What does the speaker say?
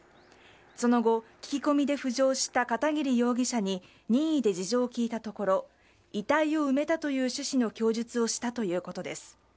その後、聞き込みで浮上した片桐容疑者に任意で事情を聴いたところ遺体を埋めたという趣旨の供述をしたということです。